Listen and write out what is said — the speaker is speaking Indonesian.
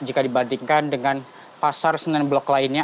jika dibandingkan dengan pasar senen blok lainnya